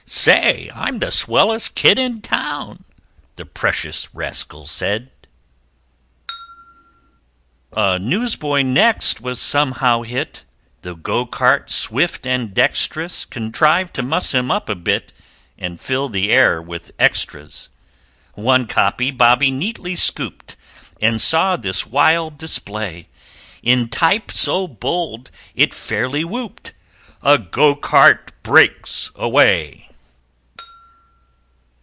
"Say, I'm the swellest kid in town!" The precious rascal said A Newsboy next was somehow hit The Go cart, swift and dextrous, Contrived to muss him up a bit And fill the air with extras One copy Bobby neatly scooped, And saw this wild display, In type so bold it fairly whooped: "A GO CART BREAKS AWAY!"